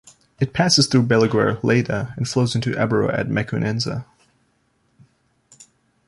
It passes through Balaguer, Lleida and flows into the Ebro at Mequinenza.